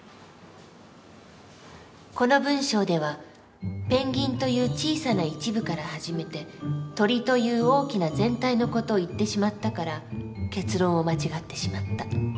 この文章ではペンギンという小さな一部から始めて鳥という大きな全体の事を言ってしまったから結論を間違ってしまった。